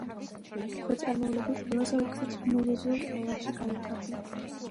ქვეწარმავლები ყველაზე უკეთ მეზოზოურ ერაში განვითარდნენ.